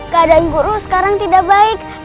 keadaan guru sekarang tidak baik